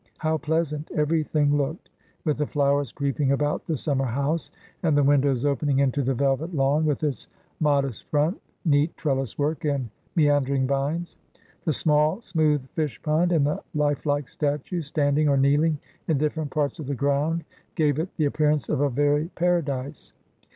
How pleasant every thing looked, with the flovfers creeping about the sum mer house, and the windows opening into the velvet lawn, with its modest front, neat trellis work, and me andering vines ! The small, smooth fish pond, and the life like statues, standing or kneeling in different parts of the ground, gave it the appearance of a very Para dise.